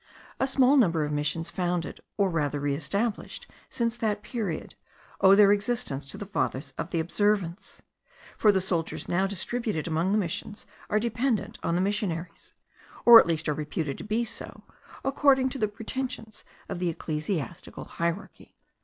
The small number of missions founded, or rather re established, since that period, owe their existence to the Fathers of the Observance; for the soldiers now distributed among the missions are dependent on the missionaries, or at least are reputed to be so, according to the pretensions of the ecclesiastical hierarchy.